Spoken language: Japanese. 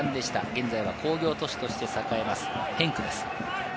現在は工業都市として栄えます、ヘンクです。